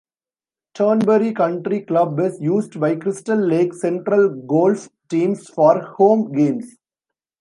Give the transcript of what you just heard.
Turnberry Country Club is used by Crystal Lake Central golf teams for home games.